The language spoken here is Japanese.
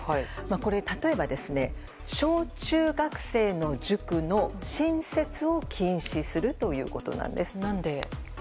これ、例えば小中学生の塾の新設を禁止するということなんです。